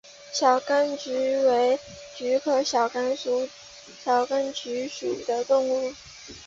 小甘菊为菊科小甘菊属的植物。